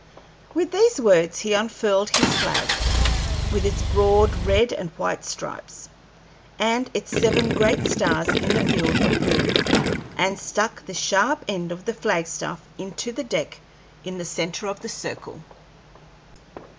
With these words he unfurled his flag, with its broad red and white stripes, and its seven great stars in the field of blue, and stuck the sharp end of the flagstaff into the deck in the centre of the circle.